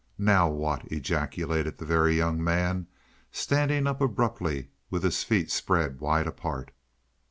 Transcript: "Now what?" ejaculated the Very Young Man, standing up abruptly, with his feet spread wide apart.